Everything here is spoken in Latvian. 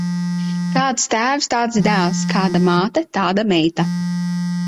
Kāds tēvs, tāds dēls; kāda māte, tāda meita.